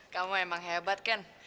kamu emang hebat kan